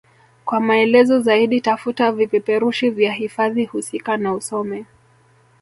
Kwa maelezo zaidi tafuta vipeperushi vya hifadhi husika na usome